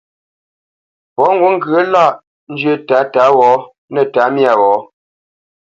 Pɔ̌ ŋgǔt ŋgyə̌ lâʼ njyə́ tǎtǎ wɔ̌ nə̂ tǎmyā wɔ̌.